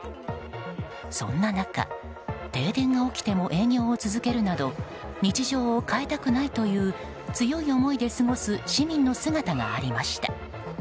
そんな中、停電が起きても営業を続けるなど日常を変えたくないという強い思いで過ごす市民の姿がありました。